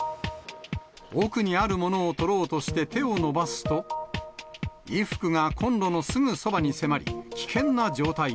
奥にあるものを取ろうとして手を伸ばすと、衣服がコンロのすぐそばに迫り、危険な状態に。